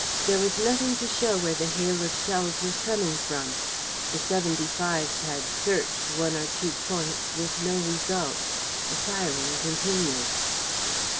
There was nothing to show where the hail of shells was coming from. The seventy fives had "searched" one or two points with no result. The firing continued.